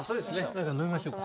何か飲みましょうか。